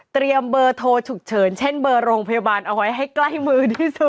เบอร์โทรฉุกเฉินเช่นเบอร์โรงพยาบาลเอาไว้ให้ใกล้มือที่สุด